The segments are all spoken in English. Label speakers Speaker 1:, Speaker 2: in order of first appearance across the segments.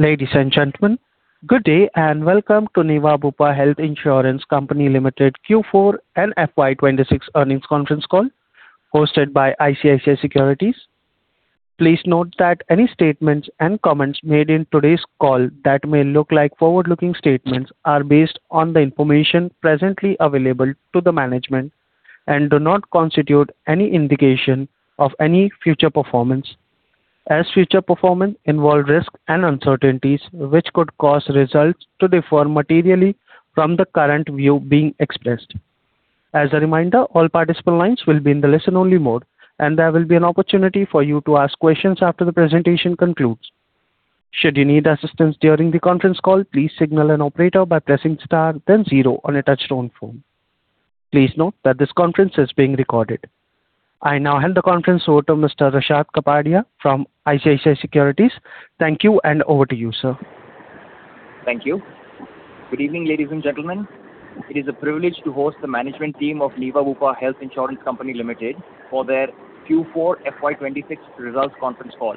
Speaker 1: Ladies and gentlemen, good day and welcome to Niva Bupa Health Insurance Company Limited Q4 and FY 2026 earnings conference call hosted by ICICI Securities. Please note that any statements and comments made in today's call that may look like forward-looking statements are based on the information presently available to the management and do not constitute any indication of any future performance, as future performance involve risks and uncertainties which could cause results to differ materially from the current view being expressed. As a reminder, all participant lines will be in the listen only mode, and there will be an opportunity for you to ask questions after the presentation concludes. Should you need assistance during the conference call, please signal an operator by pressing Star then 0 on a touch tone phone. Please note that this conference is being recorded. I now hand the conference over to Mr. Rushad Kapadia from ICICI Securities. Thank you and over to you, sir.
Speaker 2: Thank you. Good evening, ladies and gentlemen. It is a privilege to host the management team of Niva Bupa Health Insurance Company Limited for their Q4 FY 2026 results conference call.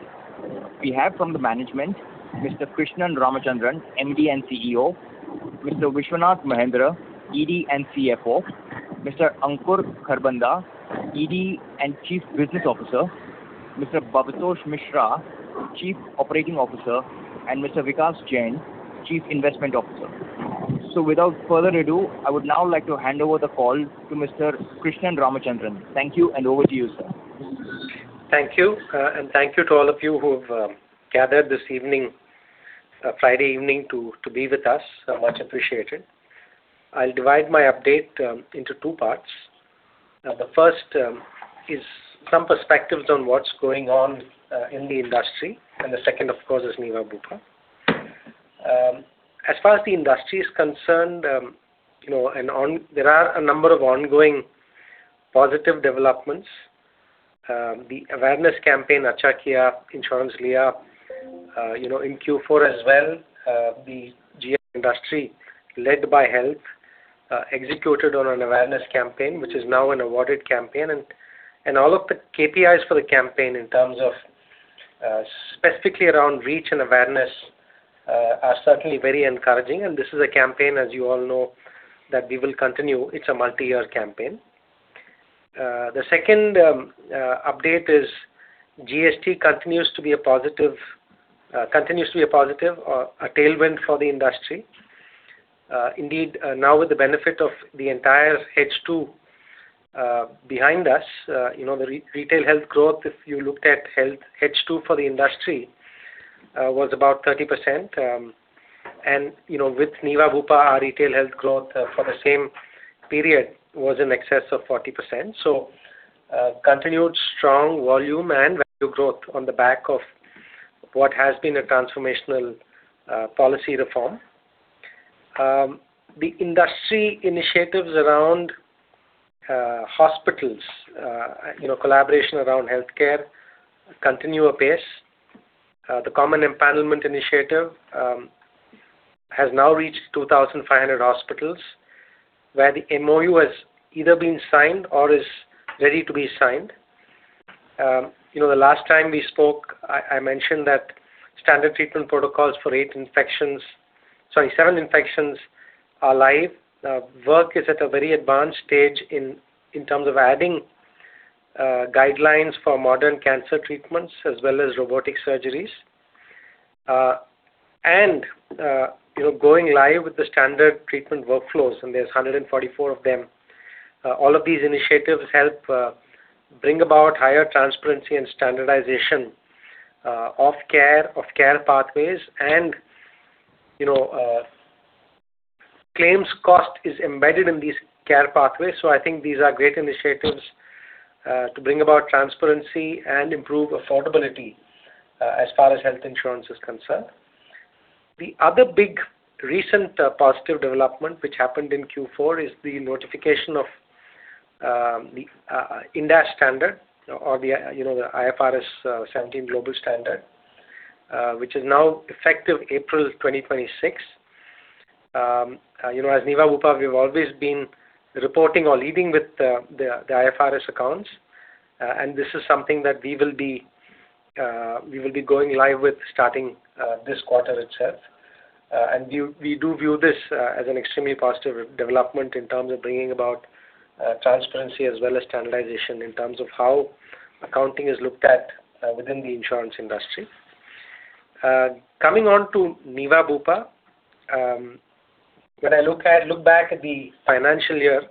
Speaker 2: We have from the management Mr. Krishnan Ramachandran, MD and CEO, Mr. Vishwanath Mahendra, ED and CFO, Mr. Ankur Kharbanda, ED and Chief Business Officer, Mr. Bhabatosh Mishra, Chief Operating Officer, and Mr. Vikas Jain, Chief Investment Officer. Without further ado, I would now like to hand over the call to Mr. Krishnan Ramachandran. Thank you, and over to you, sir.
Speaker 3: Thank you. Thank you to all of you who have gathered this evening, Friday evening to be with us. Much appreciated. I'll divide my update into two parts. The first is some perspectives on what's going on in the industry, the second, of course, is Niva Bupa. As far as the industry is concerned, you know, there are a number of ongoing positive developments. The awareness campaign, Achcha Kiya, Insurance Liya. You know, in Q4 as well, the GI industry, led by health, executed on an awareness campaign, which is now an awarded campaign. All of the KPIs for the campaign in terms of specifically around reach and awareness are certainly very encouraging. This is a campaign, as you all know, that we will continue. It's a multi-year campaign. The second update is GST continues to be a positive, continues to be a positive or a tailwind for the industry. Indeed, now with the benefit of the entire H2 behind us, you know, the re-retail health growth, if you looked at health H2 for the industry, was about 30%. You know, with Niva Bupa, our retail health growth for the same period was in excess of 40%. Continued strong volume and value growth on the back of what has been a transformational policy reform. The industry initiatives around hospitals, you know, collaboration around healthcare continue apace. The common empowerment initiative has now reached 2,500 hospitals, where the MoU has either been signed or is ready to be signed. You know, the last time we spoke, I mentioned that standard treatment protocols for eight infections Sorry, seven infections are live. Work is at a very advanced stage in terms of adding guidelines for modern cancer treatments as well as robotic surgeries. And, you know, going live with the standard treatment workflows, and there's 144 of them. All of these initiatives help bring about higher transparency and standardization of care, of care pathways and, you know, claims cost is embedded in these care pathways. I think these are great initiatives to bring about transparency and improve affordability as far as health insurance is concerned. The other big recent positive development which happened in Q4 is the notification of the Ind AS standard or the, you know, the IFRS 17 global standard, which is now effective April 2026. You know, as Niva Bupa, we've always been reporting or leading with the IFRS accounts. This is something that we will be going live with starting this quarter itself. We do view this as an extremely positive development in terms of bringing about transparency as well as standardization in terms of how accounting is looked at within the insurance industry. Coming on to Niva Bupa, when I look back at the financial year,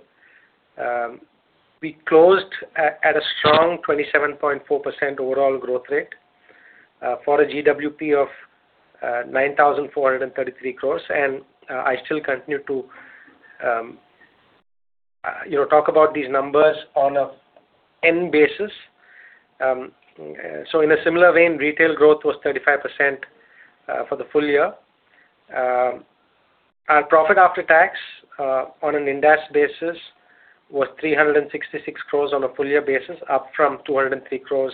Speaker 3: we closed at a strong 27.4% overall growth rate for a GWP of 9,433 crores. I still continue to, you know, talk about these numbers on a 1/N basis. In a similar vein, retail growth was 35% for the full year. Our profit after tax on an Ind AS basis was 366 crores on a full year basis, up from 203 crores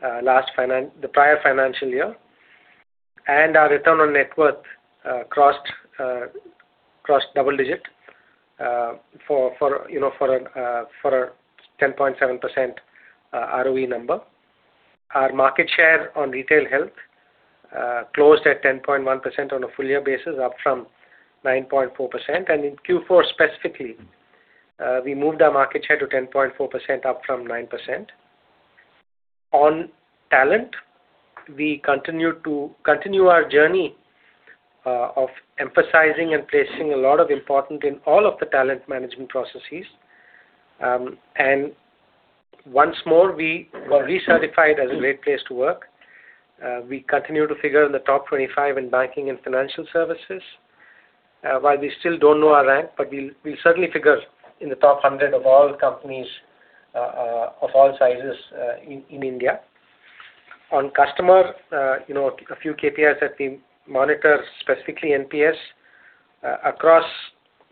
Speaker 3: the prior financial year. Our return on net worth crossed double digit for a, you know, for a 10.7% ROE number. Our market share on retail health closed at 10.1% on a full year basis, up from 9.4%. In Q4 specifically, we moved our market share to 10.4%, up from 9%. On talent, we continued our journey of emphasizing and placing a lot of importance in all of the talent management processes. Once more, we were recertified as a great place to work. We continue to figure in the top 25 in banking and financial services. While we still don't know our rank, but we'll certainly figure in the top 100 of all companies of all sizes in India. On customer, you know, a few KPIs that we monitor, specifically NPS, across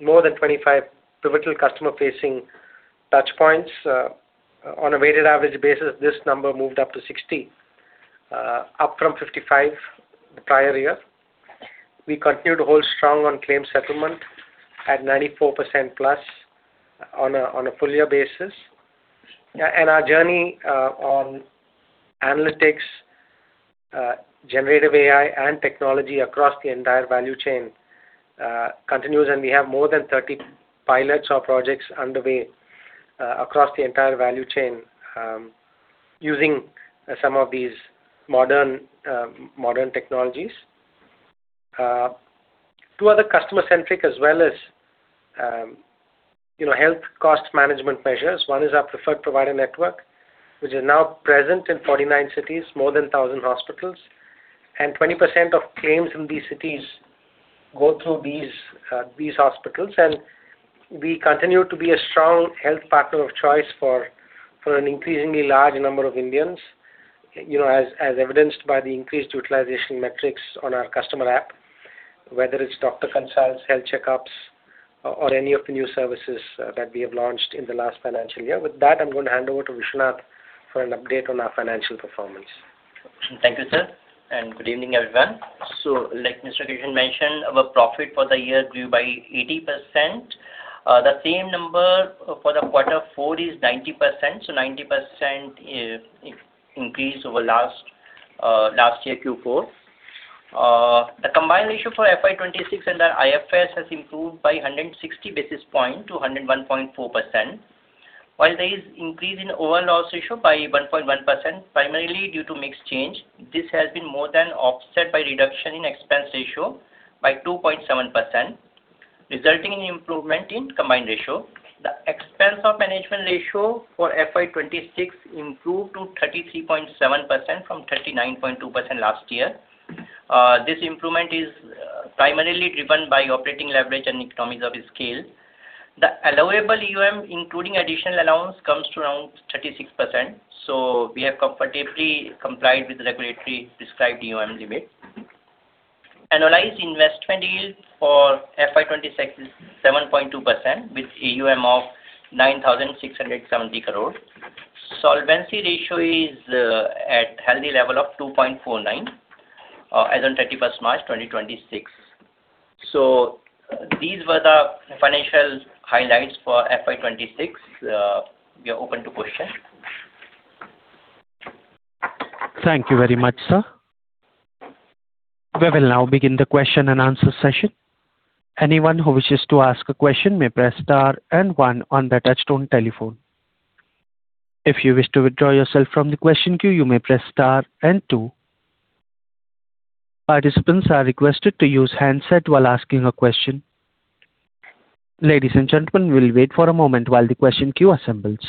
Speaker 3: more than 25 pivotal customer-facing touchpoints. On a weighted average basis, this number moved up to 60, up from 55 the prior year. We continued to hold strong on claim settlement at 94% plus on a full year basis. Our journey on analytics, generative AI and technology across the entire value chain continues, and we have more than 30 pilots or projects underway across the entire value chain using some of these modern technologies. Two other customer-centric as well as, you know, health cost management measures. One is our preferred provider network, which is now present in 49 cities, more than 1,000 hospitals, and 20% of claims in these cities go through these hospitals. We continue to be a strong health partner of choice for an increasingly large number of Indians, you know, as evidenced by the increased utilization metrics on our customer app, whether it's doctor consults, health checkups, or any of the new services that we have launched in the last financial year. With that, I am going to hand over to Vishwanath for an update on our financial performance.
Speaker 4: Thank you, sir, and good evening, everyone. Like Mr. Krishnan Ramachandran mentioned, our profit for the year grew by 80%. The same number for the Q4 is 90%. 90% increase over last year, Q4. The combined ratio for FY 2026 under IFRS has improved by 160 basis points to 101.4%. While there is increase in overall loss ratio by 1.1%, primarily due to mix change, this has been more than offset by reduction in expense ratio by 2.7%, resulting in improvement in combined ratio. The Expenses of Management ratio for FY 2026 improved to 33.7% from 39.2% last year. This improvement is primarily driven by operating leverage and economies of scale. The allowable AUM, including additional allowance, comes to around 36%, we have comfortably complied with the regulatory described AUM limit. Annualized investment yield for FY 2026 is 7.2%, with AUM of 9,670 crore. Solvency ratio is at healthy level of 2.49 as on 31 March, 2026. These were the financial highlights for FY 2026. We are open to questions.
Speaker 1: Thank you very much, sir. We will now begin the question-and-answer session. Anyone who wishes to ask a question may press star and one on the touchtone telephone. If you wish to withdraw yourself from the question queue, you may press star and two. Participants are requested to use handset while asking a question. Ladies and gentlemen, we will wait for a moment while the question queue assembles.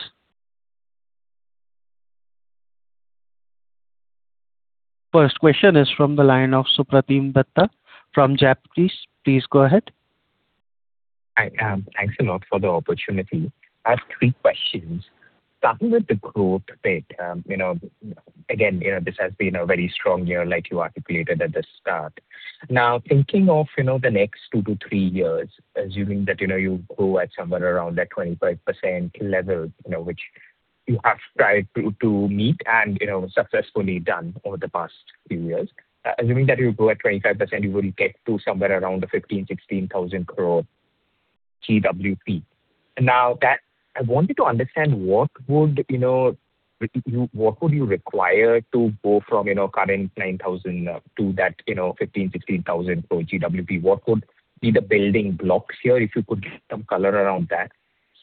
Speaker 1: First question is from the line of Supratim Bhatta from Jefferies. Please go ahead.
Speaker 5: I, Thanks a lot for the opportunity. I have three questions. Starting with the growth bit, you know, again, you know, this has been a very strong year like you articulated at the start. Thinking of, you know, the next 2-3 years, assuming that, you know, you grow at somewhere around that 25% level, you know, which you have tried to meet and, you know, successfully done over the past few years. Assuming that you grow at 25%, you will get to somewhere around the 15,000-16,000 crore GWP. I wanted to understand what would, you know, what would you require to go from, you know, current 9,000, to that, you know, 15,000-16,000 crore GWP. What would be the building blocks here? If you could give some color around that.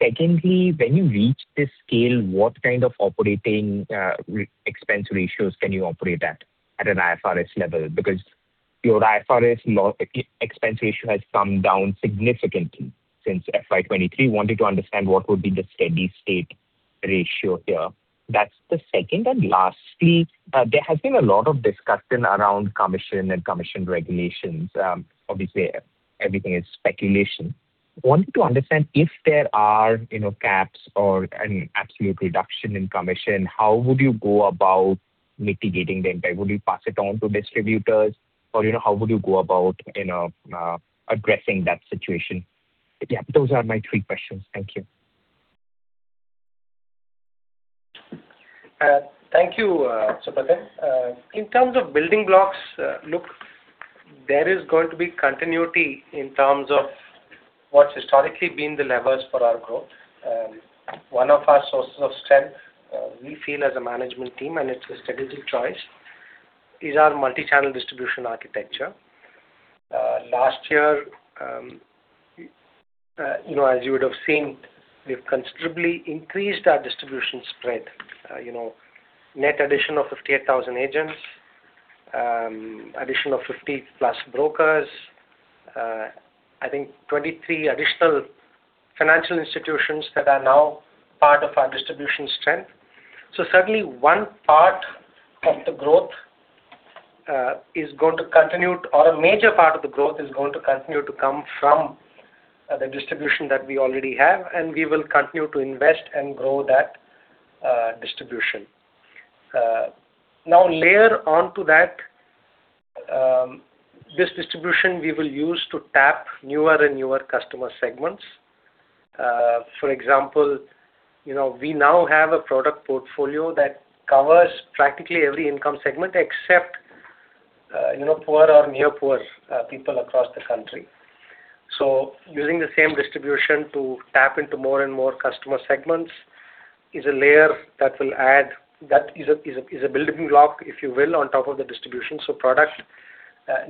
Speaker 5: Secondly, when you reach this scale, what kind of operating expense ratios can you operate at at an IFRS level? Because your IFRS expense ratio has come down significantly since FY 2023. Wanted to understand what would be the steady state ratio here. That's the second. Lastly, there has been a lot of discussion around commission and commission regulations. Obviously everything is speculation. Wanted to understand if there are, you know, caps or an absolute reduction in commission, how would you go about mitigating the impact? Would you pass it on to distributors or, you know, how would you go about, you know, addressing that situation? Those are my three questions. Thank you.
Speaker 3: Thank you, Supratim Bhatta. In terms of building blocks, look, there is going to be continuity in terms of what's historically been the levers for our growth. One of our sources of strength, we feel as a management team, and it's a strategic choice, is our multi-channel distribution architecture. Last year, you know, as you would have seen, we've considerably increased our distribution spread. You know, net addition of 58,000 agents, addition of 50-plus brokers, I think 23 additional financial institutions that are now part of our distribution strength. Certainly one part of the growth, or a major part of the growth is going to continue to come from the distribution that we already have, and we will continue to invest and grow that distribution. Now layer onto that, this distribution we will use to tap newer and newer customer segments. For example, you know, we now have a product portfolio that covers practically every income segment except, you know, poor or near poor people across the country. Using the same distribution to tap into more and more customer segments is a layer that will add that is a building block, if you will, on top of the distribution. Product,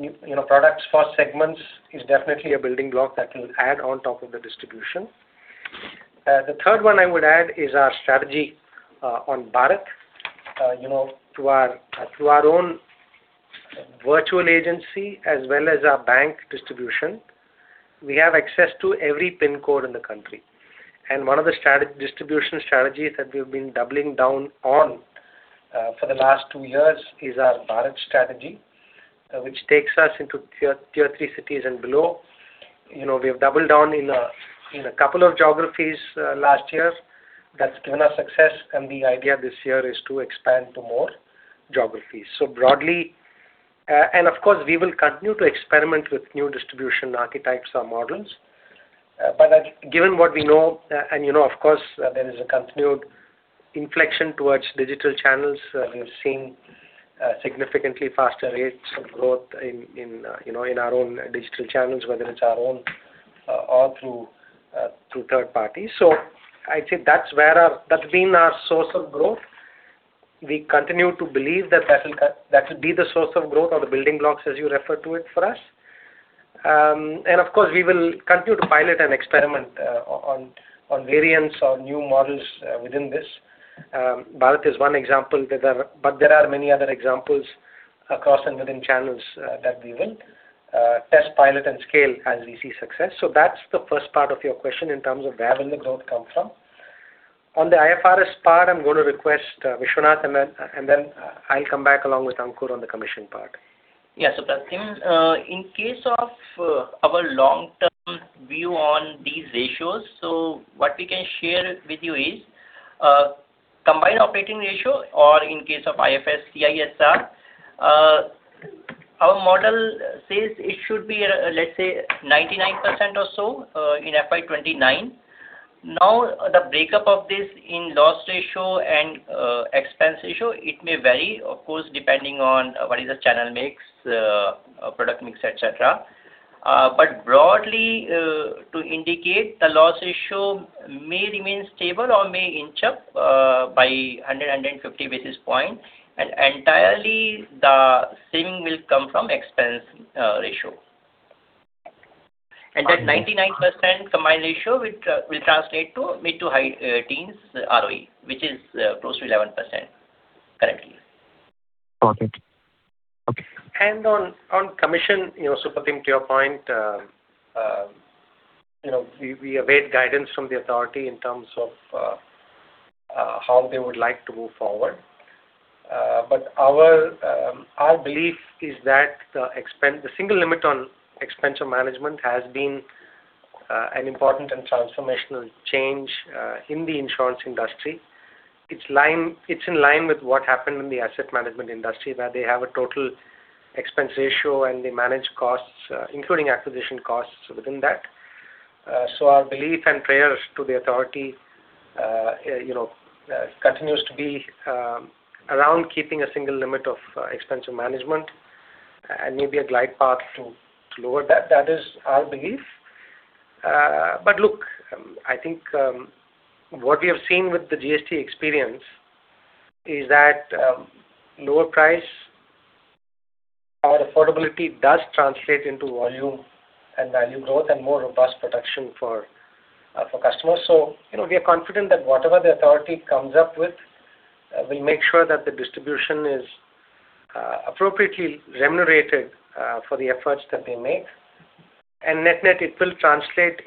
Speaker 3: you know, products for segments is definitely a building block that will add on top of the distribution. The third one I would add is our strategy on Bharat. You know, through our own virtual agency as well as our bank distribution, we have access to every pin code in the country. One of the distribution strategies that we've been doubling down on for the last two years is our Bharat strategy, which takes us into tier three cities and below. You know, we have doubled down in a couple of geographies last year. That's given us success, and the idea this year is to expand to more geographies. So broadly, of course, we will continue to experiment with new distribution archetypes or models. But given what we know, and you know, of course, there is a continued inflection towards digital channels. We've seen significantly faster rates of growth in, you know, in our own digital channels, whether it's our own or through third parties. I'd say that's where that's been our source of growth. We continue to believe that that'll be the source of growth or the building blocks, as you refer to it, for us. Of course, we will continue to pilot and experiment on variants or new models within this. Bharat is one example. There are many other examples across and within channels that we will test, pilot, and scale as we see success. That's the first part of your question in terms of where will the growth come from. On the IFRS part, I'm gonna request Vishwanath, and then I'll come back along with Ankur on the commission part.
Speaker 4: Yeah. Supratim, in case of our long-term view on these ratios, what we can share with you is combined operating ratio or in case of IFRS, CISR, our model says it should be, let's say 99% or so, in FY 2029. The breakup of this in loss ratio and expense ratio, it may vary, of course, depending on what is the channel mix, product mix, et cetera. Broadly, to indicate the loss ratio may remain stable or may inch up by 100, 150 basis points. Entirely the saving will come from expense ratio. That 99% combined ratio which will translate to mid-to-high teens ROE, which is close to 11% currently.
Speaker 3: Perfect. Okay. On, on commission, you know, Supratim, to your point, you know, we await guidance from the authority in terms of how they would like to move forward. Our belief is that the single limit on Expenses of Management has been an important and transformational change in the insurance industry. It's in line with what happened in the asset management industry, where they have a total expense ratio, and they manage costs, including acquisition costs within that. Our belief and prayers to the authority, you know, continues to be around keeping a single limit of Expenses of Management and maybe a glide path to lower that. That is our belief. Look, I think, what we have seen with the GST experience is that lower price or affordability does translate into volume and value growth and more robust protection for customers. You know, we are confident that whatever the authority comes up with, we'll make sure that the distribution is appropriately remunerated for the efforts that they make. Net-net it will translate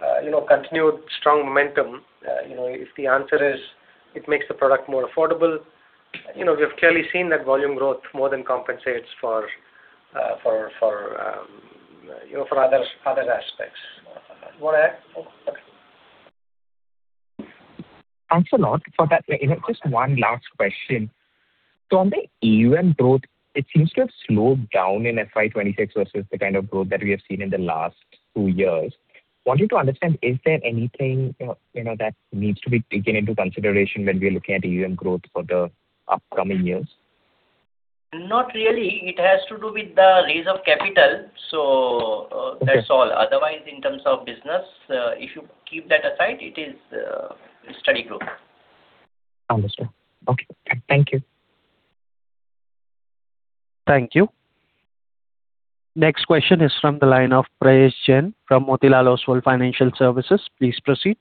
Speaker 3: into, you know, continued strong momentum. You know, if the answer is it makes the product more affordable, you know, we've clearly seen that volume growth more than compensates for, you know, for other aspects. You wanna add? Okay.
Speaker 5: Ankur, just one last question. On the EUM growth, it seems to have slowed down in FY 2026 versus the kind of growth that we have seen in the last two years. Wanted to understand, is there anything, you know, that needs to be taken into consideration when we're looking at EUM growth for the upcoming years?
Speaker 4: Not really. It has to do with the raise of capital.
Speaker 5: Okay.
Speaker 4: That's all. Otherwise, in terms of business, if you keep that aside, it is steady growth.
Speaker 5: Understood. Okay. Thank you.
Speaker 1: Thank you. Next question is from the line of Prayesh Jain from Motilal Oswal Financial Services. Please proceed.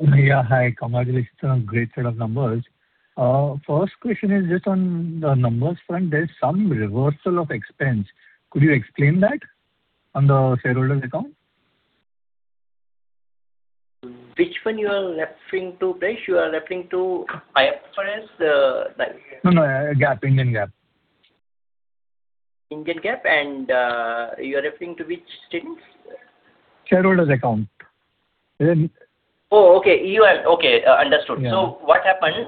Speaker 6: Yeah, hi. Congratulations on great set of numbers. First question is just on the numbers front. There is some reversal of expense. Could you explain that on the shareholders account?
Speaker 4: Which one you are referring to, Priyesh? You are referring to IFRS.
Speaker 6: No, no, GAAP, Indian GAAP.
Speaker 4: Indian GAAP, you're referring to which statement?
Speaker 6: Shareholders account.
Speaker 4: Oh, okay. EUM. Okay, understood.
Speaker 6: Yeah.
Speaker 4: What happened,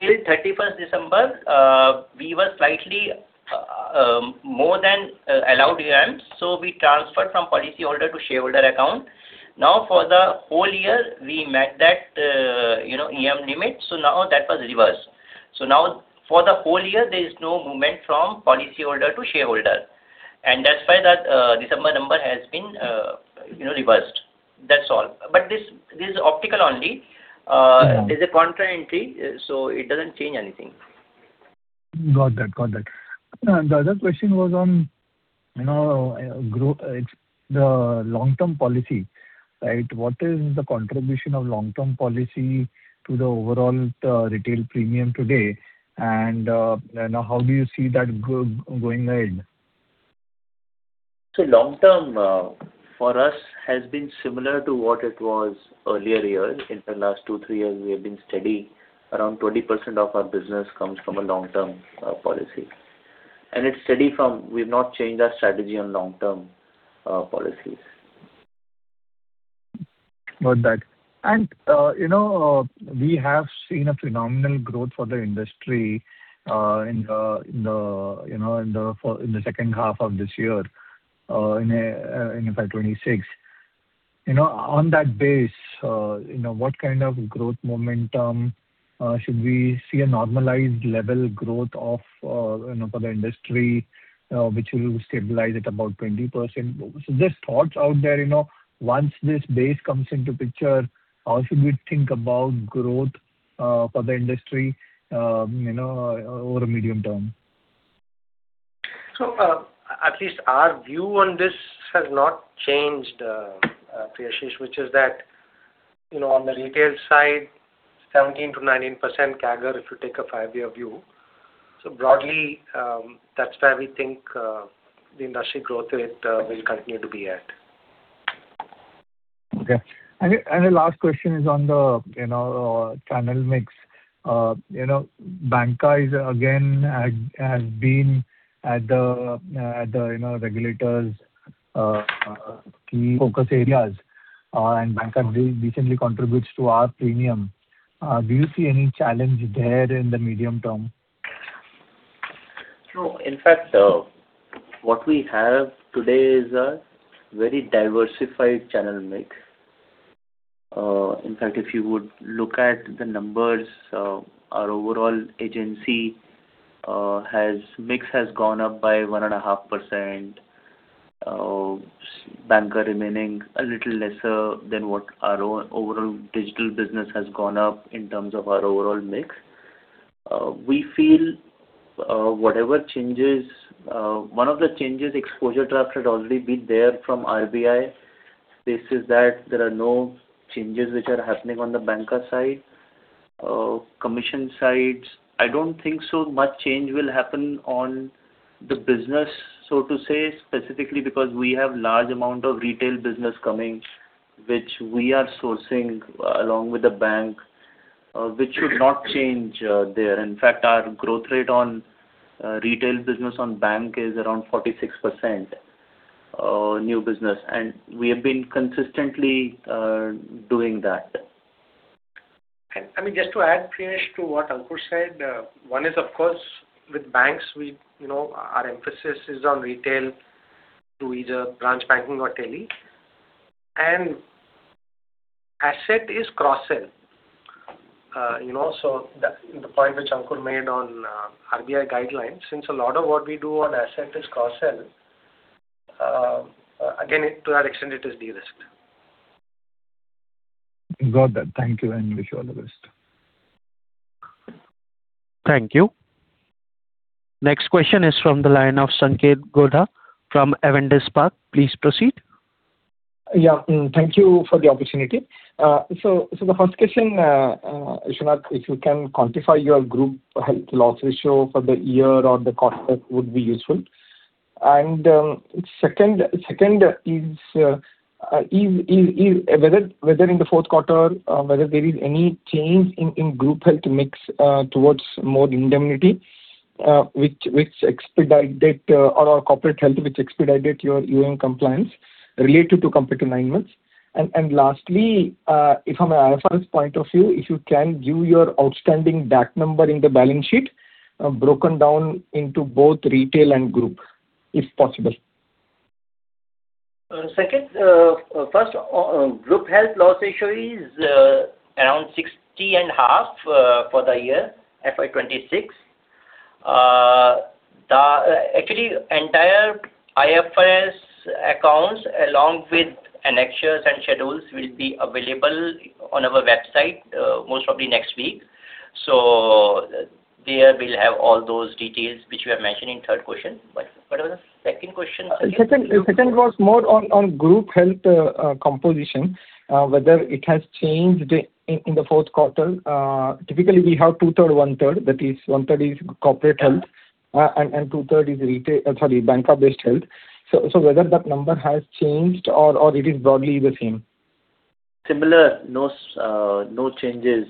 Speaker 4: till 31st December, we were slightly more than allowed EUM, so we transferred from policyholder to shareholder account. For the whole year, we met that, you know, EUM limit, so that was reversed. For the whole year there is no movement from policyholder to shareholder, and that's why that December number has been, you know, reversed. That's all. This, this is optical only.
Speaker 6: Yeah
Speaker 4: there's a contra entry, so it doesn't change anything.
Speaker 6: Got that. Got that. The other question was on, you know, it's the long-term policy, right? What is the contribution of long-term policy to the overall retail premium today and, you know, how do you see that going ahead?
Speaker 7: Long term, for us has been similar to what it was earlier years. In the last two, three years we have been steady. Around 20% of our business comes from a long-term policy. It's steady. We've not changed our strategy on long-term policies.
Speaker 6: Got that. You know, we have seen a phenomenal growth for the industry, in the, in the, you know, in the second half of this year, in FY 2026. You know, on that base, you know, what kind of growth momentum should we see a normalized level growth of, you know, for the industry, which will stabilize at about 20%? Just thoughts out there, you know, once this base comes into picture, how should we think about growth for the industry, you know, over medium term?
Speaker 7: At least our view on this has not changed, Priyesh, which is that, you know, on the retail side, 17%-19% CAGR if you take a five-year view. Broadly, that's where we think the industry growth rate will continue to be at.
Speaker 6: Okay. The last question is on the, you know, channel mix. You know, banca is again has been at the, you know, regulators' key focus areas. Banca recently contributes to our premium. Do you see any challenge there in the medium term?
Speaker 7: No. In fact, what we have today is a very diversified channel mix. In fact, if you would look at the numbers, our overall agency mix has gone up by 1.5%, banca remaining a little lesser than what our own overall digital business has gone up in terms of our overall mix. We feel, one of the changes exposure draft had already been there from RBI. This is that there are no changes which are happening on the banca side. Commission sides, I don't think so much change will happen on the business, so to say, specifically because we have large amount of retail business coming, which we are sourcing along with the bank, which should not change there. In fact, our growth rate on retail business on bank is around 46% new business. We have been consistently doing that.
Speaker 3: I mean, just to add, Priyesh, to what Ankur said, one is of course with banks you know, our emphasis is on retail through either branch banking or tele. Asset is cross-sell, you know, so the point which Ankur made on RBI guidelines, since a lot of what we do on asset is cross-sell, again, to that extent it is de-risked.
Speaker 6: Got that. Thank you and wish you all the best.
Speaker 1: Thank you. Next question is from the line of Sanket Godha from Avendus Spark. Please proceed.
Speaker 8: Thank you for the opportunity. The first question, Vishwa, if you can quantify your group health loss ratio for the year or the quarter would be useful. Second is whether in the fourth quarter there is any change in group health mix towards more indemnity? [inaudible] your EOM compliance related to complete nine months. Lastly, if from an IFRS point of view, if you can give your outstanding DAC number in the balance sheet, broken down into both retail and group, if possible.
Speaker 4: Second, first, group health loss ratio is around 60.5% for the year FY 2026. The actually entire IFRS accounts along with annexures and schedules will be available on our website most probably next week. There we'll have all those details which you have mentioned in third question. What was the second question again?
Speaker 8: Second was more on group health composition whether it has changed in the fourth quarter. Typically we have two-third, one-third. That is one-third is corporate health-
Speaker 4: Yeah.
Speaker 8: Two-third is retail, sorry, bank-based health. Whether that number has changed or it is broadly the same?
Speaker 4: Similar. No changes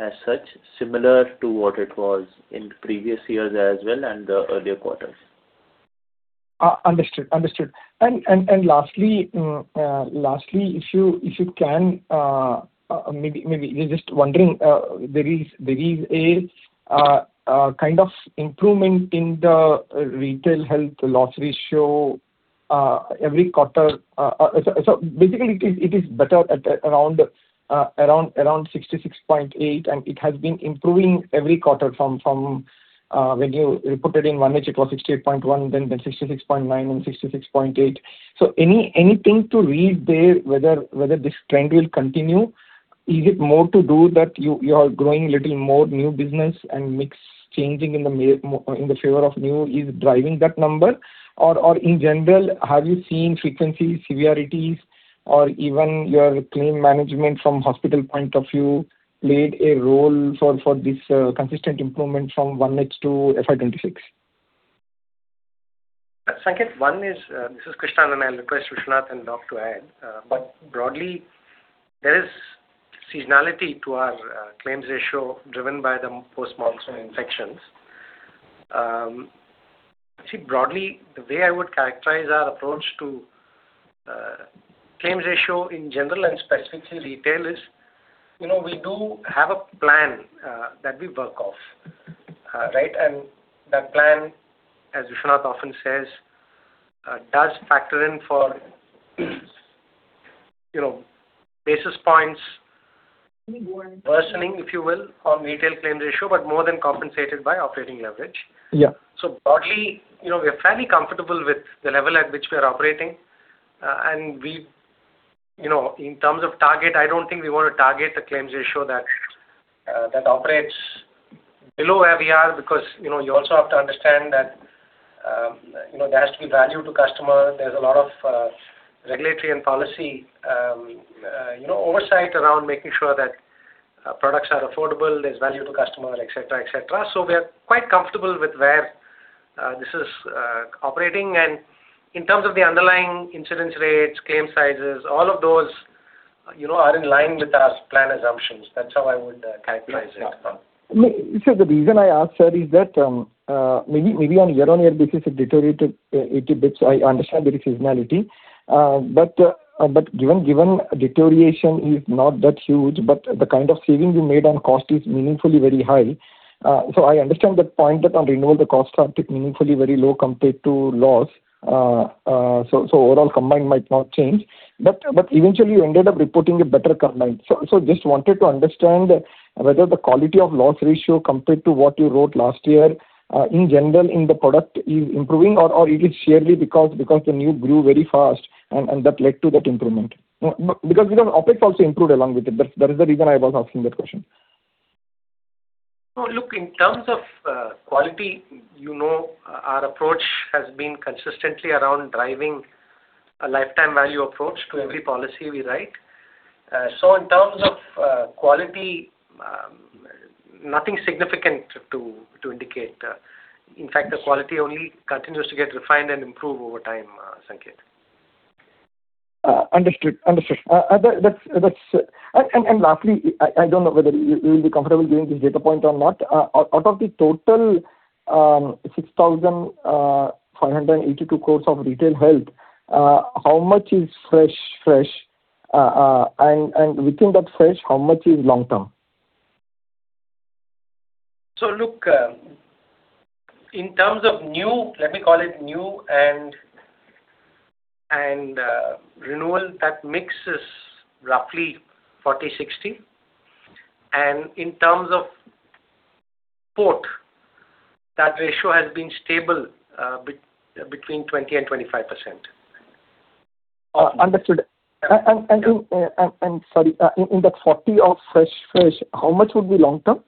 Speaker 4: as such. Similar to what it was in previous years as well and the earlier quarters.
Speaker 8: Understood. Understood. Lastly, if you can, maybe we're just wondering, there is a kind of improvement in the retail health loss ratio every quarter. Basically it is better around 66.8%, and it has been improving every quarter from when you reported in 1H, it was 68.1%, then 66.9%, and 66.8%. Anything to read there whether this trend will continue? Is it more to do that you are growing a little more new business and mix changing in the favor of new is driving that number? In general, have you seen frequencies, severities, or even your claim management from hospital point of view played a role for this consistent improvement from 1H to FY 2026?
Speaker 3: Sanket, one is, this is Krishnan. I'll request Vishwanath and Nav to add. Broadly, there is seasonality to our claims ratio driven by the post-monsoon infections. Actually broadly, the way I would characterize our approach to claims ratio in general and specifically retail is, you know, we do have a plan that we work off, right? That plan, as Vishwanath often says, does factor in for, you know, basis points- worsening, if you will, on retail claim ratio, but more than compensated by operating leverage.
Speaker 8: Yeah.
Speaker 3: Broadly, you know, we are fairly comfortable with the level at which we are operating. And we, you know, in terms of target, I don't think we wanna target the claims ratio that operates below where we are because, you know, you also have to understand that, you know, there has to be value to customer. There's a lot of regulatory and policy, you know, oversight around making sure that products are affordable, there's value to customer, et cetera, et cetera. We are quite comfortable with where this is operating. And in terms of the underlying incidence rates, claim sizes, all of those, you know, are in line with our plan assumptions. That's how I would characterize it.
Speaker 8: No, sir, the reason I asked that is that, maybe on year-on-year basis it deteriorated a bit. I understand there is seasonality. Given deterioration is not that huge, but the kind of saving we made on cost is meaningfully very high. I understand that point that on renewal the costs are significantly very low compared to loss. Overall combined might not change. Eventually you ended up reporting a better combined. Just wanted to understand whether the quality of loss ratio compared to what you wrote last year, in general in the product is improving or it is sheerly because the new grew very fast and that led to that improvement. Because, you know, OpEx also improved along with it. That is the reason I was asking that question.
Speaker 3: In terms of quality, you know, our approach has been consistently around driving a lifetime value approach to every policy we write. In terms of quality, nothing significant to indicate. The quality only continues to get refined and improve over time, Sanket.
Speaker 8: Understood. Understood. Lastly, I don't know whether you will be comfortable giving this data point or not. Out of the total 6,582 crores of retail health, how much is fresh? Within that fresh, how much is long term?
Speaker 3: Look, in terms of new, let me call it new and renewal, that mix is roughly 40, 60. In terms of port, that ratio has been stable, between 20% and 25%.
Speaker 8: Understood. In that 40 of fresh, how much would be long term?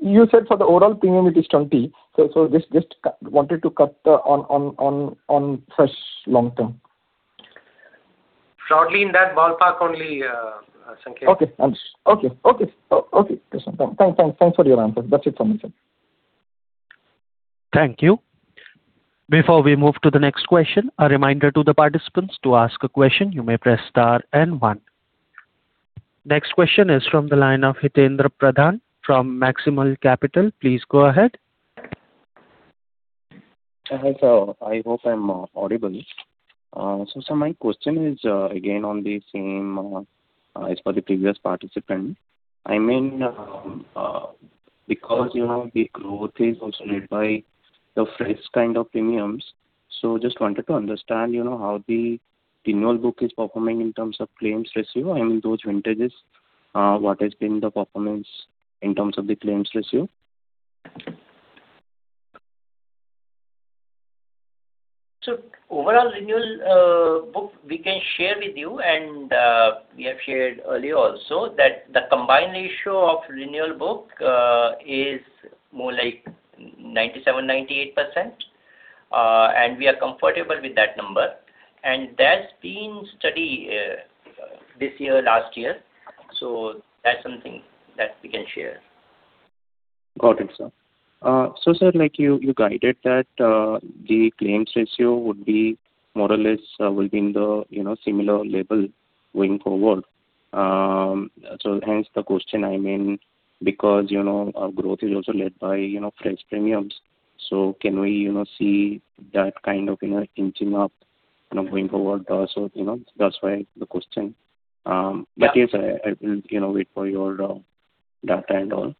Speaker 8: You said for the overall premium it is 20. Just wanted to cut on fresh long term.
Speaker 3: Broadly in that ballpark only, Sanket.
Speaker 8: Okay. Understood. Okay. Okay. Okay. Thanks. Thanks for your answers. That's it from my side.
Speaker 1: Thank you. Before we move to the next question, a reminder to the participants, to ask a question, you may press star and one. Next question is from the line of Hitaindra Pradhan from Maximal Capital. Please go ahead.
Speaker 9: Hi, sir. I hope I'm audible. Sir, my question is again on the same as per the previous participant. I mean, because, you know, the growth is also led by the fresh kind of premiums. Just wanted to understand, you know, how the renewal book is performing in terms of claims ratio. I mean, those vintages, what has been the performance in terms of the claims ratio?
Speaker 4: Overall renewal, book we can share with you, and, we have shared earlier also that the combined ratio of renewal book, is more like 97%, 98%. We are comfortable with that number. That's been steady, this year, last year. That's something that we can share.
Speaker 9: Got it, sir. Sir, like you guided that the claims ratio would be more or less will be in the, you know, similar level going forward. Hence the question, I mean, because, you know, our growth is also led by, you know, fresh premiums. Can we, you know, see that kind of, you know, inching up, you know, going forward also? You know, that's why the question.
Speaker 4: Yeah.
Speaker 9: Yes, I will, you know, wait for your data and all.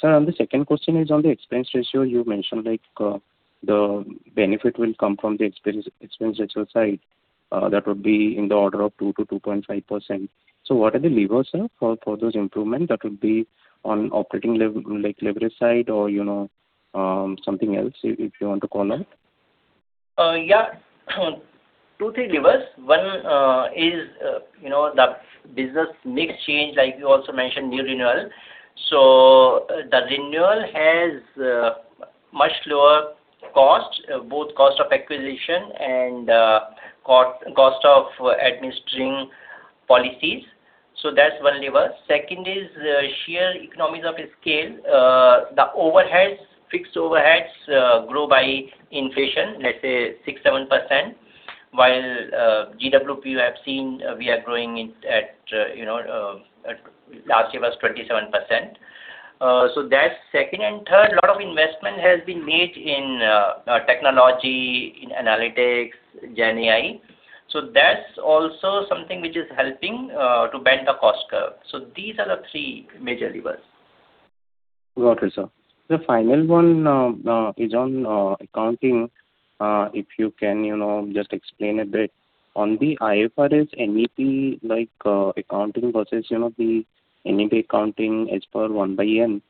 Speaker 9: Sir, the second question is on the expense ratio you mentioned, like, the benefit will come from the expense ratio side, that would be in the order of 2% to 2.5%. What are the levers, sir, for those improvement that would be on operating leverage side or, you know, something else if you want to comment?
Speaker 4: Yeah. two, three levers. One is, you know, the business mix change, like you also mentioned, new renewal. The renewal has much lower cost, both cost of acquisition and cost of administering policies. That's one lever. Second is sheer economies of scale. The overheads, fixed overheads, grow by inflation, let's say 6%, 7%, while GWP you have seen, we are growing it at, you know, at last year was 27%. That's second. Third, lot of investment has been made in technology, in analytics, GenAI. That's also something which is helping to bend the cost curve. These are the 3 major levers.
Speaker 9: Got it, sir. The final one is on accounting. If you can, you know, just explain a bit on the IFRS NEP, like, accounting versus, you know, the NEP accounting as per 1/N.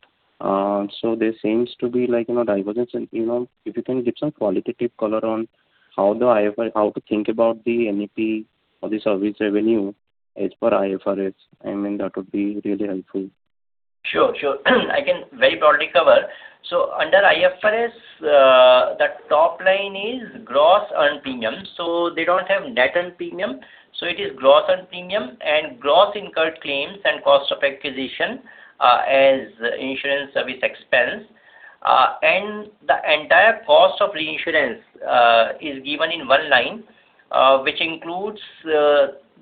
Speaker 9: There seems to be like, you know, divergence, and, you know, if you can give some qualitative color on how to think about the NEP or the service revenue as per IFRS, I mean, that would be really helpful.
Speaker 4: Sure. I can very broadly cover. Under IFRS, the top line is gross earned premium. They don't have net earned premium. It is gross earned premium and gross incurred claims and cost of acquisition as insurance service expense. And the entire cost of reinsurance is given in one line, which includes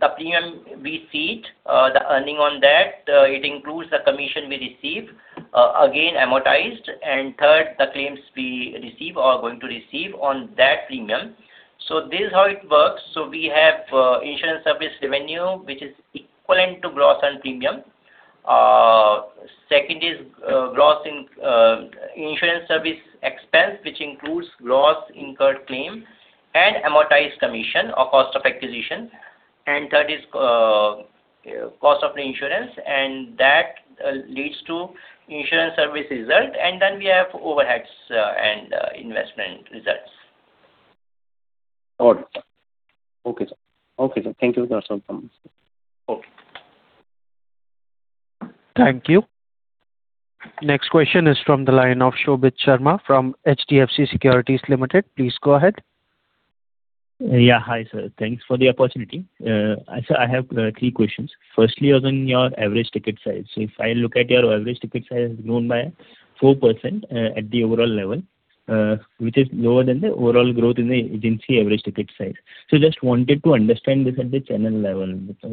Speaker 4: the premium we received, the earning on that. It includes the commission we receive, again amortized. Third, the claims we receive or going to receive on that premium. This is how it works. We have insurance service revenue, which is equivalent to gross earned premium. Second is insurance service expense, which includes gross incurred claim and amortized commission or cost of acquisition. Third is cost of reinsurance, and that leads to insurance service result. We have overheads, and investment results.
Speaker 9: Got it. Okay, sir. Okay, sir. Thank you. That's all from my side.
Speaker 4: Okay.
Speaker 1: Thank you. Next question is from the line of Shobhit Sharma from HDFC Securities Limited. Please go ahead.
Speaker 10: Yeah. Hi, sir. Thanks for the opportunity. I have three questions. Firstly is on your average ticket size. If I look at your average ticket size has grown by 4%, at the overall level, which is lower than the overall growth in the agency average ticket size. Just wanted to understand this at the channel level,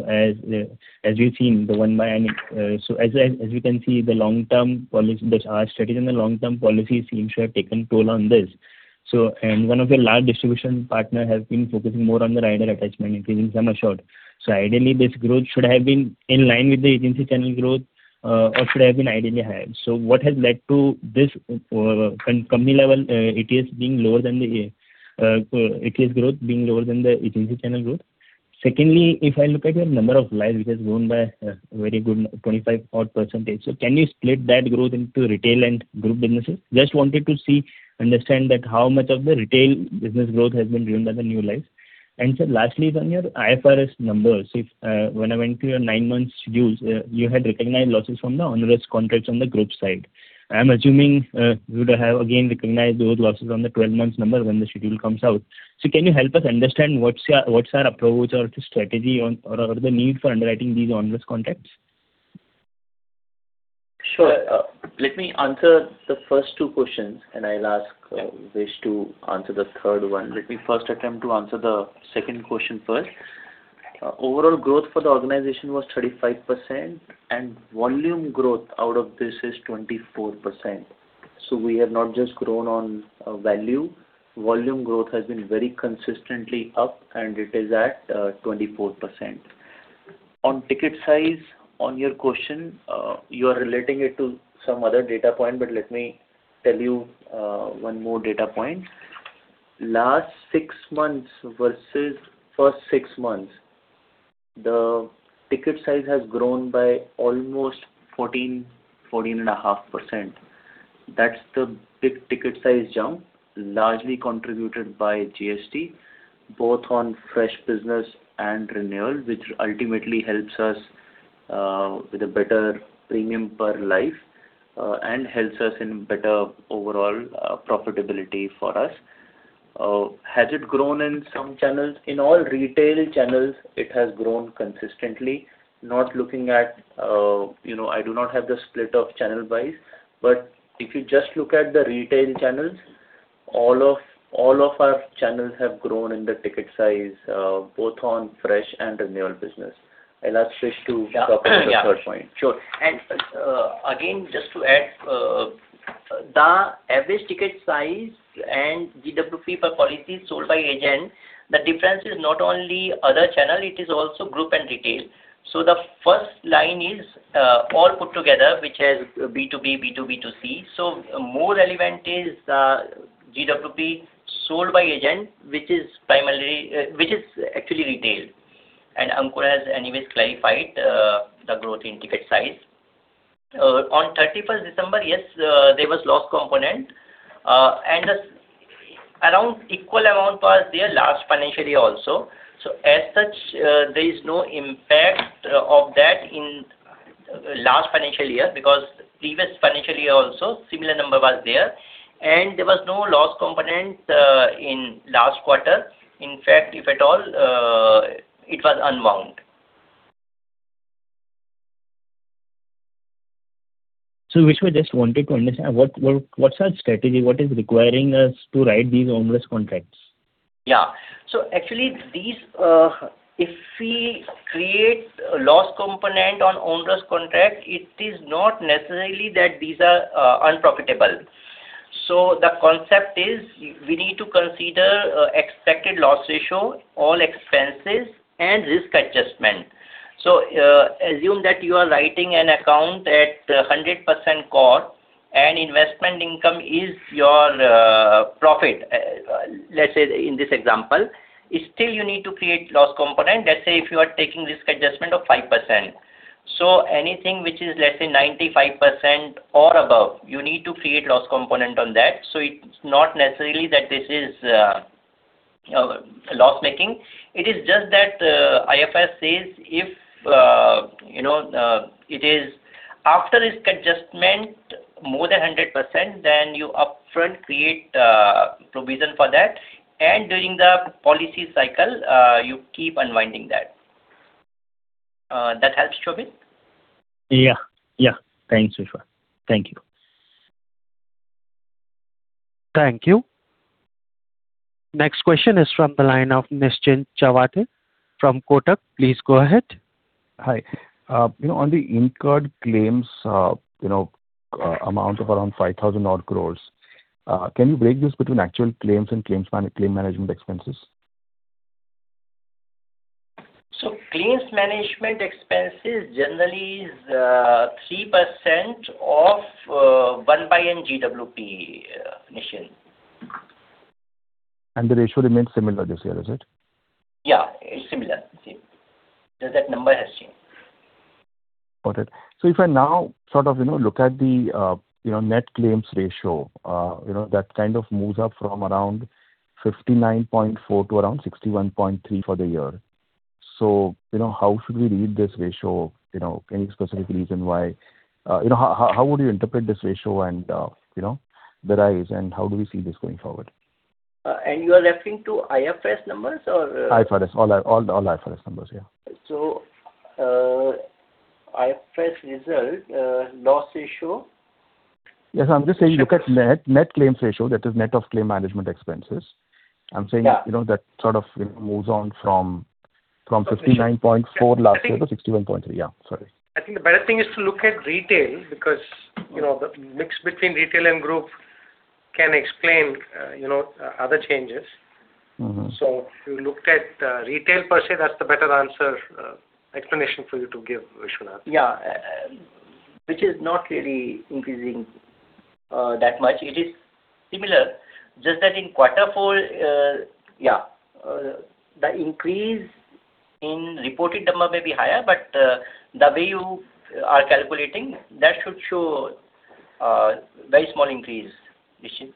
Speaker 10: as we've seen the 1/N. As you can see, our strategy in the long-term policy seems to have taken toll on this. One of your large distribution partner has been focusing more on the rider attachment increase in sum assured. Ideally this growth should have been in line with the agency channel growth, or should have been ideally higher. What has led to this company level ATS being lower than the ATS growth being lower than the agency channel growth? Secondly, if I look at your number of lives, which has grown by a very good 25 odd %. Can you split that growth into retail and group businesses? Just wanted to see, understand that how much of the retail business growth has been driven by the new lives. Sir, lastly is on your IFRS numbers. If when I went through your nine months schedules, you had recognized losses from the onerous contracts on the group side. I'm assuming, you would have again recognized those losses on the 12 months number when the schedule comes out. Can you help us understand what's our approach or the strategy on or the need for underwriting these onerous contracts?
Speaker 7: Sure. Let me answer the first two questions, I'll ask Vish to answer the third one. Let me first attempt to answer the second question first. Overall growth for the organization was 35%, volume growth out of this is 24%. We have not just grown on value. Volume growth has been very consistently up, it is at 24%. On ticket size, on your question, you are relating it to some other data point, let me tell you one more data point. Last six months versus first six months, the ticket size has grown by almost 14.5%. That's the big ticket size jump, largely contributed by GST, both on fresh business and renewal, which ultimately helps us with a better premium per life and helps us in better overall profitability for us. Has it grown in some channels? In all retail channels, it has grown consistently. Not looking at, you know, I do not have the split of channel wise. If you just look at the retail channels, all of our channels have grown in the ticket size, both on fresh and renewal business. I'll ask Vish to-
Speaker 4: Yeah. Yeah.
Speaker 7: Talk on the third point.
Speaker 4: Sure. Again, just to add, the average ticket size and GWP per policy sold by agent, the difference is not only other channel, it is also group and retail. The first line is all put together, which is B2B, B2B2C. More relevant is GWP sold by agent, which is primarily which is actually retail. Ankur has anyways clarified the growth in ticket size. On 31st December, yes, there was loss component. Around equal amount was there last financial year also. As such, there is no impact of that in last financial year because previous financial year also similar number was there. There was no loss component in last quarter. In fact, if at all, it was unwound.
Speaker 10: Vishwa, just wanted to understand what's our strategy? What is requiring us to write these onerous contracts?
Speaker 4: Actually these, if we create a loss component on onerous contract, it is not necessarily that these are unprofitable. The concept is we need to consider expected loss ratio, all expenses and risk adjustment. Assume that you are writing an account at 100% core and investment income is your profit, let's say in this example. Still you need to create loss component, let's say if you are taking risk adjustment of 5%. Anything which is less than 95% or above, you need to create loss component on that. It's not necessarily that this is loss-making. It is just that, IFRS says if, you know, it is after risk adjustment more than 100%, then you upfront create provision for that. During the policy cycle, you keep unwinding that. That helps, Shobhit?
Speaker 10: Yeah. Yeah. Thanks, Vishwa. Thank you.
Speaker 1: Thank you. Next question is from the line of Nischint Chawathe from Kotak. Please go ahead.
Speaker 11: Hi. You know, on the incurred claims, you know, amount of around 5,000 crore, can you break this between actual claims and claim management expenses?
Speaker 4: Claims management expenses generally is 3% of 1/N GWP initially.
Speaker 11: The ratio remains similar this year, is it?
Speaker 4: Yeah, it's similar. Same. Just that number has changed.
Speaker 11: Got it. If I now sort of look at the net claims ratio, that kind of moves up from around 59.4 to around 61.3 for the year. How should we read this ratio? How would you interpret this ratio and the rise and how do we see this going forward?
Speaker 4: You are referring to IFRS numbers or?
Speaker 11: IFRS. All IFRS numbers, yeah.
Speaker 4: IFRS result, loss ratio.
Speaker 11: Yes. I'm just saying look at net claims ratio, that is net of claim management expenses.
Speaker 4: Yeah.
Speaker 11: You know, that sort of moves on from 59.4 last year to 61.3. Yeah, sorry.
Speaker 3: I think the better thing is to look at retail because, you know, the mix between retail and group can explain, you know, other changes. If you looked at, retail per se, that's the better answer, explanation for you to give, Vishwanath.
Speaker 4: Yeah. Which is not really increasing that much. It is similar. Just that in quarter four, yeah, the increase in reported number may be higher, but the way you are calculating, that should show very small increase, Nishchint.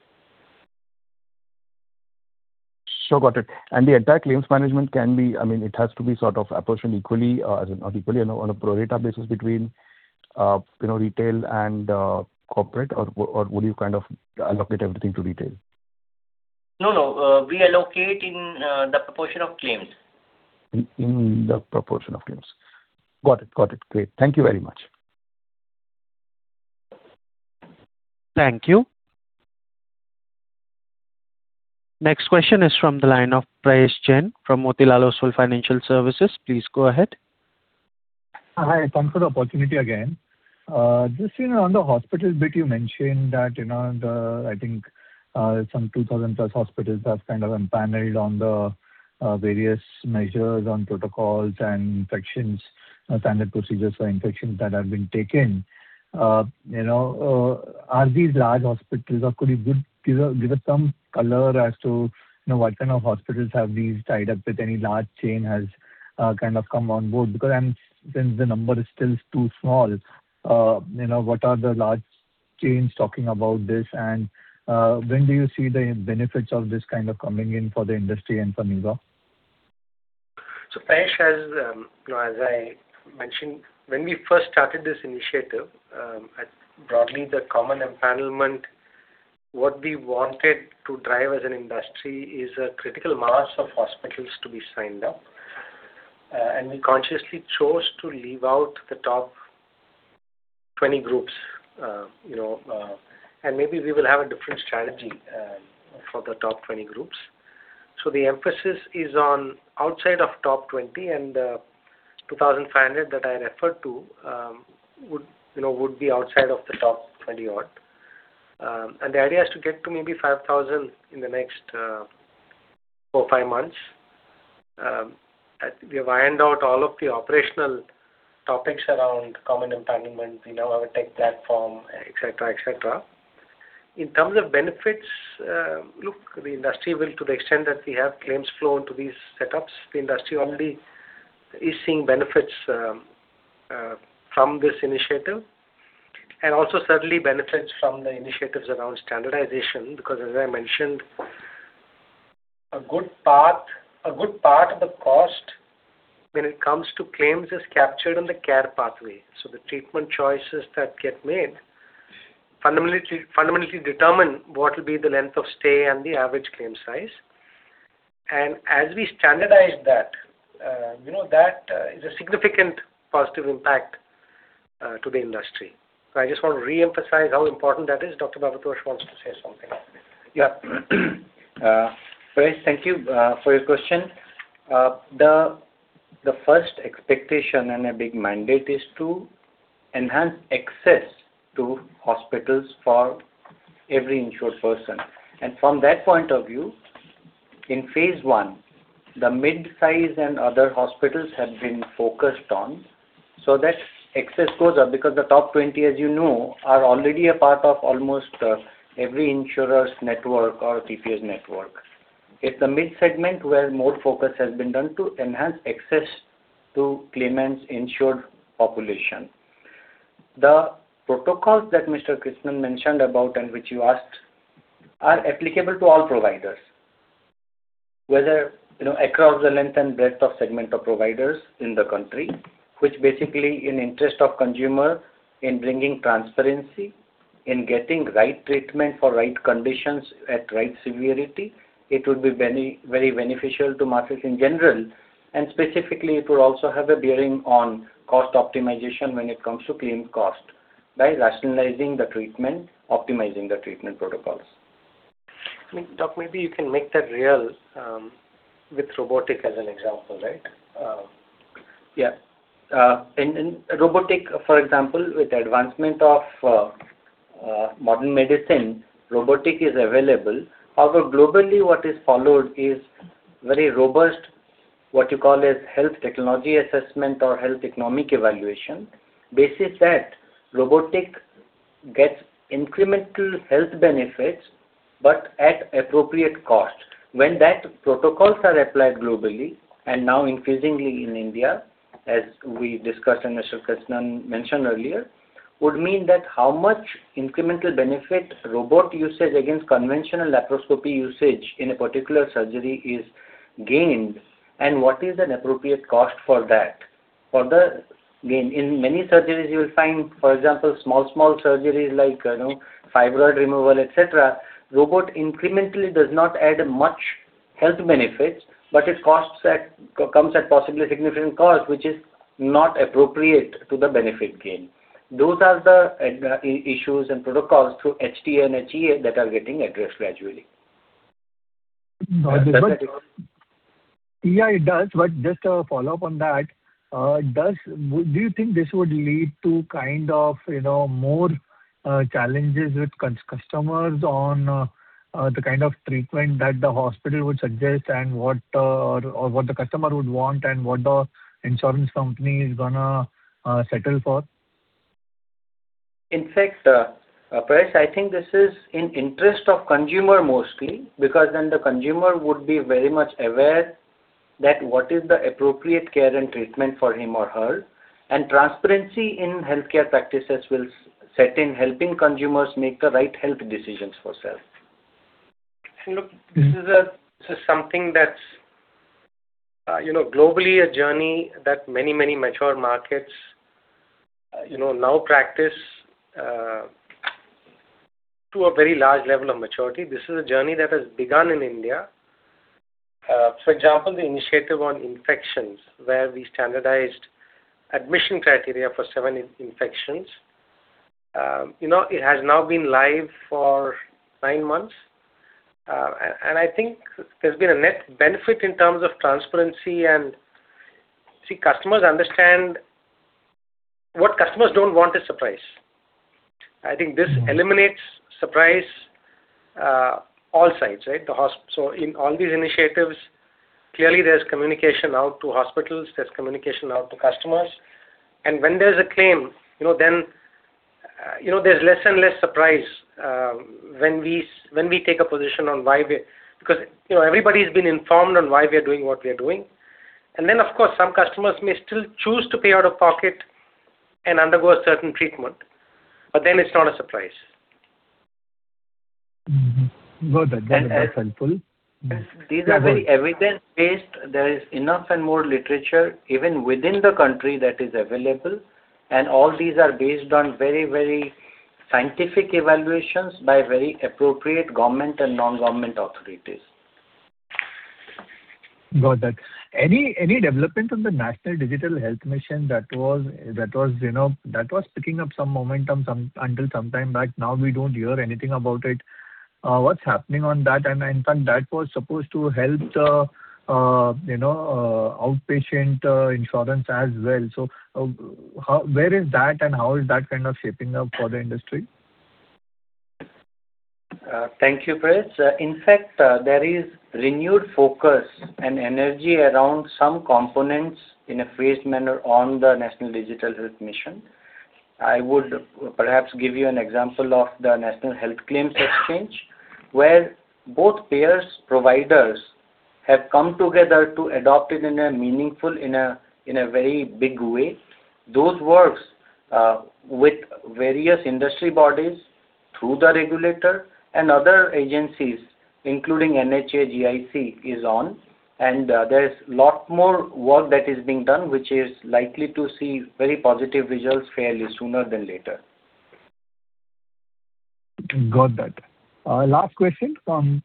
Speaker 11: Sure. Got it. The entire claims management, I mean, it has to be sort of apportioned equally, as in not equally on a pro rata basis between, you know, retail and corporate or will you kind of allocate everything to retail?
Speaker 3: No, no. We allocate in the proportion of claims.
Speaker 11: In the proportion of claims. Got it. Great. Thank you very much.
Speaker 1: Thank you. Next question is from the line of Priyesh Jain from Motilal Oswal Financial Services. Please go ahead.
Speaker 6: Hi. Thanks for the opportunity again. Just, you know, on the hospital bit you mentioned that, you know, I think some 2,000 plus hospitals have kind of empaneled on the various measures on protocols and infections, standard procedures for infections that have been taken. You know, are these large hospitals or could you give us some color as to, you know, what kind of hospitals have these tied up with any large chain has kind of come on board? Since the number is still too small, you know, what are the large chains talking about this and, when do you see the benefits of this kind of coming in for the industry and for Niva?
Speaker 3: Priyesh as, you know, as I mentioned, when we first started this initiative, at broadly the common empanelment, what we wanted to drive as an industry is a critical mass of hospitals to be signed up. We consciously chose to leave out the top 20 groups. You know, maybe we will have a different strategy for the top 20 groups. The emphasis is on outside of top 20 and 2,005 that I referred to, would, you know, would be outside of the top 20 odd. The idea is to get to maybe 5,000 in the next four, five months. We have ironed out all of the operational topics around common empanelment. We now have a tech platform, et cetera, et cetera. In terms of benefits, look, the industry will to the extent that we have claims flow into these setups, the industry already is seeing benefits from this initiative, and also certainly benefits from the initiatives around standardization. As I mentioned, a good part of the cost when it comes to claims is captured on the care pathway. The treatment choices that get made fundamentally determine what will be the length of stay and the average claim size. As we standardize that, you know, that is a significant positive impact to the industry. I just want to reemphasize how important that is. Dr. Bhabatosh Mishra wants to say something.
Speaker 12: Yeah, Priyesh, thank you for your question. The first expectation and a big mandate is to enhance access to hospitals for every insured person. From that point of view, in phase 1, the mid-size and other hospitals have been focused on so that access goes up, because the top 20, as you know, are already a part of almost every insurer's network or TPA's network. It's the mid-segment where more focus has been done to enhance access to claimants insured population. The protocols that Mr. Krishnan mentioned about and which you asked are applicable to all providers, whether, you know, across the length and breadth of segment of providers in the country, which basically in interest of consumer in bringing transparency, in getting right treatment for right conditions at right severity, it would be very beneficial to masses in general, and specifically it will also have a bearing on cost optimization when it comes to claim cost by rationalizing the treatment, optimizing the treatment protocols.
Speaker 3: I mean, doc, maybe you can make that real, with robotic as an example, right?
Speaker 12: Yeah. In robotic, for example, with advancement of modern medicine, robotic is available. Globally what is followed is very robust, what you call as health technology assessment or health economic evaluation. Basis that robotic gets incremental health benefits but at appropriate cost. When that protocols are applied globally and now increasingly in India, as we discussed and Mr. Krishnan mentioned earlier, would mean that how much incremental benefit robot usage against conventional laparoscopy usage in a particular surgery is gained, and what is an appropriate cost for that. For the gain. In many surgeries you will find, for example, small surgeries like, you know, fibroid removal, et cetera, robot incrementally does not add much health benefits, but it comes at possibly significant cost, which is not appropriate to the benefit gained. Those are the issues and protocols through HT and HEA that are getting addressed gradually.
Speaker 13: Yeah, it does. Just a follow-up on that. Do you think this would lead to kind of, you know, more challenges with customers on the kind of treatment that the hospital would suggest and what or what the customer would want and what the insurance company is gonna settle for?
Speaker 12: In fact, Priyesh, I think this is in interest of consumer mostly, because then the consumer would be very much aware that what is the appropriate care and treatment for him or her. Transparency in healthcare practices will set in helping consumers make the right health decisions for self.
Speaker 3: And look- This is something that's, you know, globally a journey that many mature markets, you know, now practice to a very large level of maturity. This is a journey that has begun in India. For example, the initiative on infections, where we standardized admission criteria for seven infections. You know, it has now been live for 9 months. And I think there's been a net benefit in terms of transparency. See, customers understand what customers don't want is surprise. I think this eliminates surprise, all sides, right? In all these initiatives, clearly there's communication out to hospitals, there's communication out to customers. When there's a claim, you know, then, you know, there's less and less surprise when we take a position. Because, you know, everybody's been informed on why we are doing what we are doing. Then, of course, some customers may still choose to pay out of pocket and undergo a certain treatment, but then it's not a surprise.
Speaker 6: Mm-hmm. Got that. That is helpful.
Speaker 12: These are very evidence-based. There is enough and more literature even within the country that is available, and all these are based on very, very scientific evaluations by very appropriate government and non-government authorities.
Speaker 6: Got that. Any development on the Ayushman Bharat Digital Mission that was, that was, you know, that was picking up some momentum until some time back. Now we don't hear anything about it. What's happening on that? In fact, that was supposed to help the, you know, outpatient insurance as well. Where is that and how is that kind of shaping up for the industry?
Speaker 12: Thank you, Priyesh Jain. In fact, there is renewed focus and energy around some components in a phased manner on the Ayushman Bharat Digital Mission. I would perhaps give you an example of the National Health Claims Exchange, where both payers, providers have come together to adopt it in a meaningful, in a very big way. Those works with various industry bodies through the regulator and other agencies, including NHA, GIC is on. There is lot more work that is being done, which is likely to see very positive results fairly sooner than later.
Speaker 6: Got that. Last question from,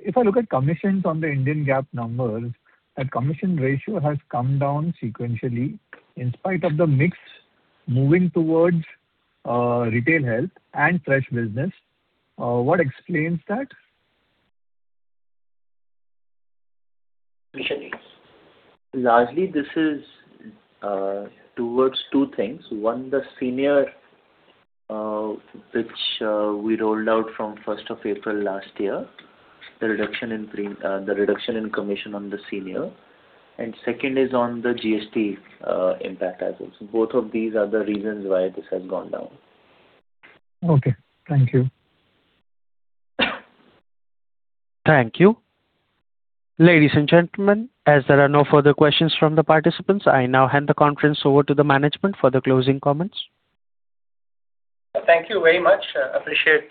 Speaker 6: if I look at commissions on the Indian GAAP numbers, that commission ratio has come down sequentially in spite of the mix moving towards, retail health and fresh business. What explains that?
Speaker 3: Largely this is towards two things. One, the senior, which we rolled out from 1st of April last year, the reduction in commission on the senior. Second is on the GST impact as well. Both of these are the reasons why this has gone down.
Speaker 6: Okay. Thank you.
Speaker 1: Thank you. Ladies and gentlemen, as there are no further questions from the participants, I now hand the conference over to the management for the closing comments.
Speaker 3: Thank you very much. Appreciate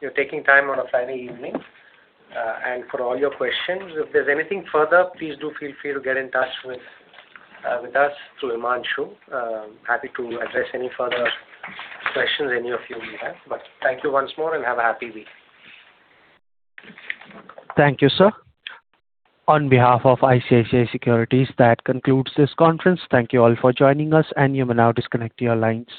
Speaker 3: you taking time on a Friday evening, and for all your questions. If there's anything further, please do feel free to get in touch with us through Himanshu. Happy to address any further questions any of you may have. Thank you once more and have a happy week.
Speaker 1: Thank you, sir. On behalf of ICICI Securities, that concludes this conference. Thank you all for joining us, and you may now disconnect your lines.